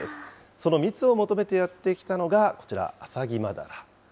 その蜜を求めてやって来たのが、こちら、アサギマダラ。